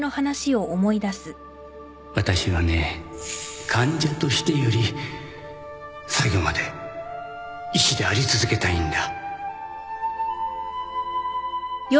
私はね患者としてより最後まで医師であり続けたいんだ